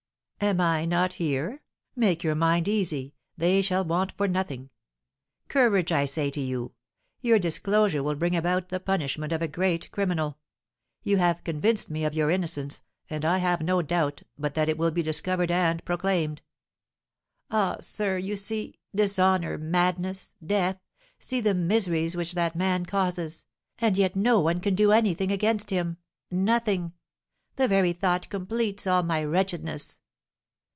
"Am I not here? make your mind, easy; they shall want for nothing. Courage, I say to you. Your disclosure will bring about the punishment of a great criminal. You have convinced me of your innocence, and I have no doubt but that it will be discovered and proclaimed." "Ah, sir, you see, dishonour, madness, death, see the miseries which that man causes, and yet no one can do any thing against him! Nothing! The very thought completes all my wretchedness."